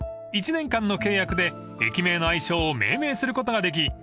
［一年間の契約で駅名の愛称を命名することができ